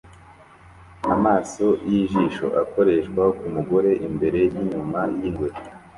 Amaso yijisho akoreshwa kumugore imbere yinyuma yingwe